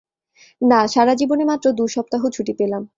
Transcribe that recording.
না, সারাজীবনে মাত্র দুসপ্তাহ ছুটি পেলাম।